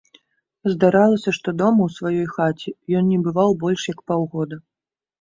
Здаралася, што дома, у сваёй хаце, ён не бываў больш як паўгода.